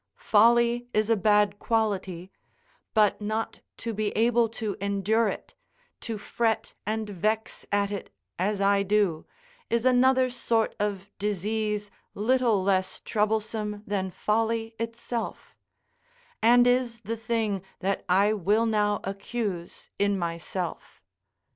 Folly is a bad quality; but not to be able to endure it, to fret and vex at it, as I do, is another sort of disease little less troublesome than folly itself; and is the thing that I will now accuse in myself.